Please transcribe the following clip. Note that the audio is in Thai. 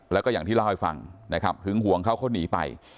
แล้วก็อย่างที่เล่าให้ฟังหึงห่วงเขาก็หนีไป